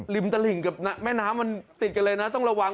ตลิ่งกับแม่น้ำมันติดกันเลยนะต้องระวัง